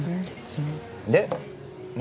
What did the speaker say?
で何？